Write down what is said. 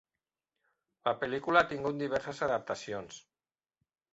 La pel·lícula ha tingut diverses adaptacions.